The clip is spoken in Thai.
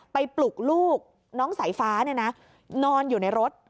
ปลุกลูกน้องสายฟ้านอนอยู่ในรถ